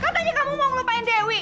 katanya kamu mau ngelupain dewi